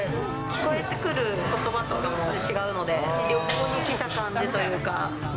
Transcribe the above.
聞こえてくることばとかも違うので、旅行に来た感じというか。